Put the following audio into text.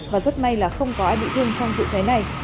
và rất may là không có ai bị thương trong vụ cháy này